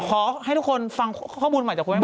ขอให้ทุกคนฟังข้อมูลใหม่จากคุณแม่